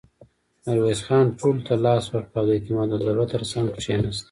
ميرويس خان ټولو ته لاس ورکړ او د اعتماد الدوله تر څنګ کېناست.